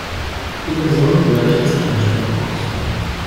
In der Sonne bleicht das Planschbecken aus.